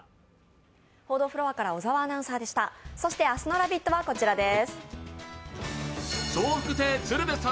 そして明日の「ラヴィット！」はこちらです。